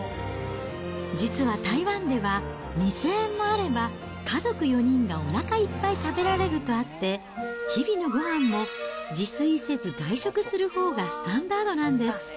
実は台湾では、２０００円もあれば、家族４人がおなかいっぱい食べられるとあって、日々のごはんも自炊せず、外食するほうがスタンダードなんです。